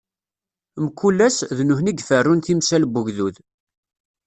Mkul ass, d nutni i yeferrun timsal n ugdud.